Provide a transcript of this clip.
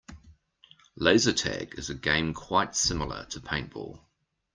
Laser tag is a game quite similar to paintball.